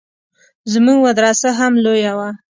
زموږ مدرسه هم لويه وه.